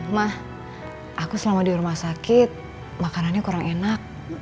mah aku selama di rumah sakit makanannya kurang enak